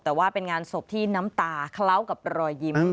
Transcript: แต่ว่าเป็นงานศพที่น้ำตาเคล้ากับรอยยิ้ม